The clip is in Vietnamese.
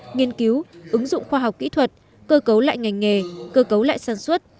nghiên cứu ứng dụng khoa học kỹ thuật cơ cấu lại ngành nghề cơ cấu lại sản xuất